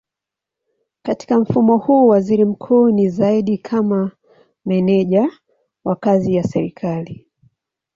Katika mfumo huu waziri mkuu ni zaidi kama meneja wa kazi ya serikali.